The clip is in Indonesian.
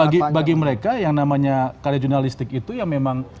jadi bagi mereka yang namanya karya jurnalistik itu yang memang